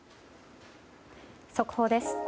速報です。